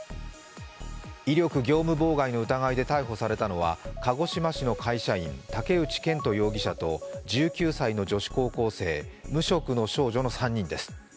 威力業務妨害の疑いで逮捕されたのは鹿児島市の会社員、竹内健人容疑者と１９歳の女子高校生、無職の少女の３人です。